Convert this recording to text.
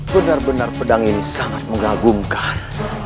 benar benar pedang ini sangat mengagumkan